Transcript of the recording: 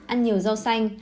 ăn nhiều rau xanh